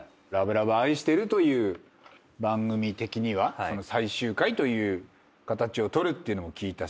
『ＬＯＶＥＬＯＶＥあいしてる』という番組的には最終回という形を取るっていうのも聞いたし。